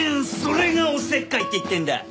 それがおせっかいって言ってるんだ！